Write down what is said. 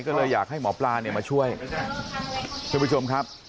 ก็เลยอยากให้หมอปลาเนี่ยมาช่วยท่านผู้ชมครับ